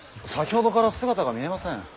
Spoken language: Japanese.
先ほどから姿が見えません。